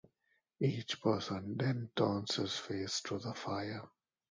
Each person then turns his face to the fire.